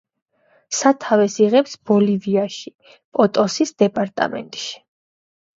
სათავეს იღებს ბოლივიაში, პოტოსის დეპარტამენტში.